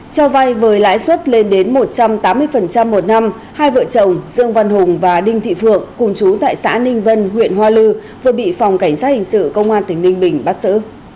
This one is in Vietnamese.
cho vay với lãi suất lên đến một trăm tám mươi một năm hai vợ chồng dương văn hùng và đinh thị phượng cùng chú tại xã ninh vân huyện hoa lư vừa bị phòng cảnh sát hình sự công an tỉnh ninh bình bắt xử